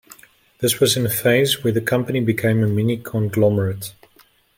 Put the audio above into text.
This was in a phase where the company became a mini-conglomerate.